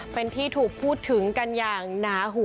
เป็นที่ถูกพูดถึงกันอย่างหนาหู